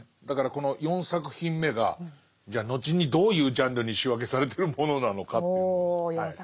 だからこの４作品目がじゃあ後にどういうジャンルに仕分けされてるものなのかという。